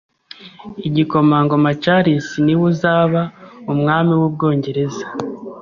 Igikomangoma Charles niwe uzaba umwami w’Ubwongereza.